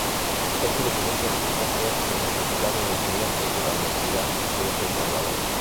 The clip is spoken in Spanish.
Este documento resulta ser el certificado de nacimiento de la Universidad de El Salvador.